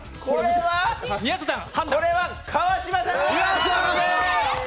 これは川島さんです。